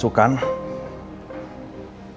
gue bukan orang yang bijak alam